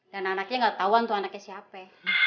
dan anaknya gak tau untuk anaknya siapa